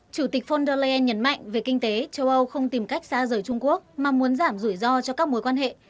chủ tịch von der leyen nhấn mạnh về kinh tế châu âu không tìm cách xa rời trung quốc mà muốn giảm rủi ro cho các mối quan hệ